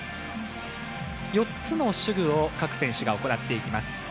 ４つの手具を各選手が行ってきます。